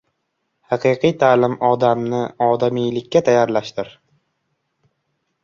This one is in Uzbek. Haqiqiy ta’lim odamni odamiylikka tayyorlashdir.